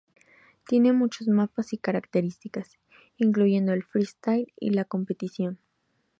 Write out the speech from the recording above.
Tiene muchos mapas y características, incluyendo el freestyle y la competición.